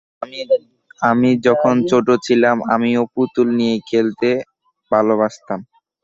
আমি যখন ছোট ছিলাম, আমিও পুতুল নিয়ে খেলতে ভালবাসতাম।